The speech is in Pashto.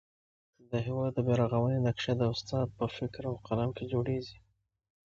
د هېواد د بیارغونې نقشه د استاد په فکر او قلم کي جوړېږي.